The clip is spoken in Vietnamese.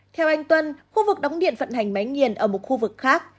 theo anh tuân khu vực đóng điện vận hành máy nghiền ở một khu vực khác